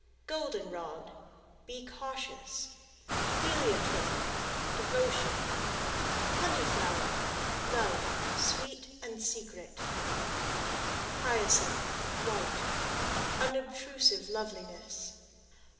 Golden Rod Be cautious. Heliotrope Devotion. Honey Flower Love, sweet and secret. Hyacinth, White Unobtrusive loveliness.